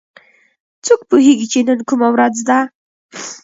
څوک پوهیږي چې نن کومه ورځ ده